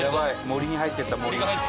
森に入っていった森に。